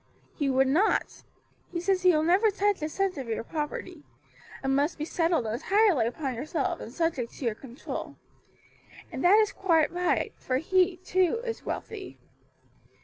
"He would not. He says he will never touch a cent of your property; it must be settled entirely upon yourself, and subject to your control. And that is quite right; for he, too, is wealthy."